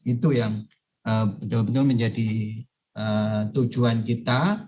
itu yang betul betul menjadi tujuan kita